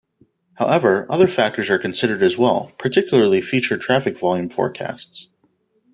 However, other factors are considered as well, particularly future traffic volume forecasts.